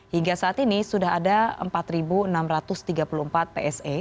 hingga saat ini sudah ada empat enam ratus tiga puluh empat pse